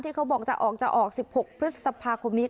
เขาบอกจะออกจะออก๑๖พฤษภาคมนี้